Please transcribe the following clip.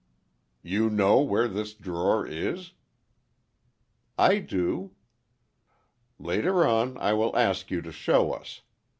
"You know where this drawer is?" "I do." "Later on, I will ask you to show us.